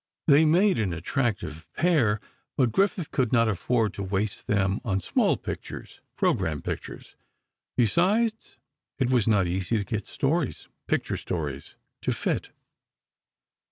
They made an attractive pair, but Griffith could not afford to waste them on small pictures—"program" pictures—besides, it was not easy to get stories—picture stories—to fit.